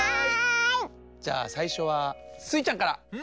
じゃあさいしょはスイちゃんから！